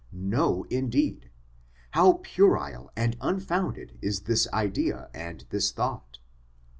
No indeed ! How puerile and un founded is this idea and this thought